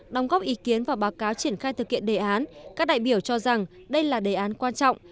đồng góp ý kiến và báo cáo triển khai thực hiện đề án các đại biểu cho rằng đây là đề án quan trọng